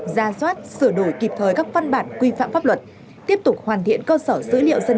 ra soát sửa đổi kịp thời các văn bản quy phạm pháp luật tiếp tục hoàn thiện cơ sở dữ liệu dân